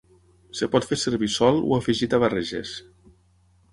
Es pot fer servir sol o afegit a barreges.